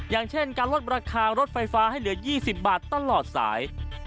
อย่างเช่นการลดราคารถไฟฟ้าให้เหลือ๒๐บาทตลอดสาย